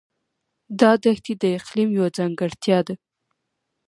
دا دښتې د اقلیم یوه ځانګړتیا ده.